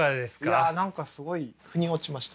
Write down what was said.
いや何かすごいふに落ちました。